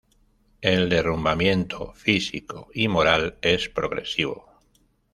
El derrumbamiento físico y moral es progresivo.